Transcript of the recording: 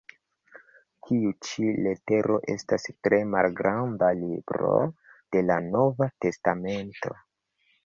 Tiu ĉi letero estas tre malgranda "libro" de la nova testamento.